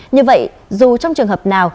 như vậy dù trong trường hợp nào